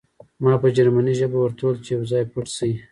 ما په جرمني ژبه ورته وویل چې یو ځای پټ شئ